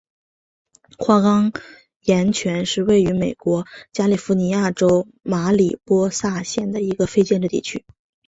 花岗岩泉是位于美国加利福尼亚州马里波萨县的一个非建制地区。